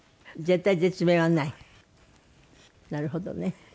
なるほどね。